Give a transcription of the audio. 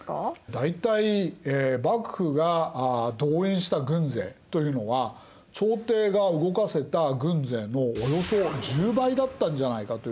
大体幕府が動員した軍勢というのは朝廷が動かせた軍勢のおよそ１０倍だったんじゃないかというふうに。